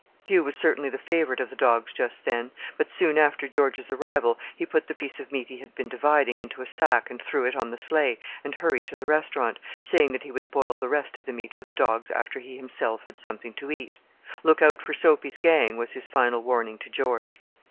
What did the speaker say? Hugh was certainly the favourite of the dogs just then, but soon after George's arrival he put the piece of meat he had been dividing into a sack and threw it on the sleigh, and hurried to the restaurant, saying that he would boil the rest of the meat for the dogs after he himself had something to eat. "Look out for Soapy's gang" was his final warning to George.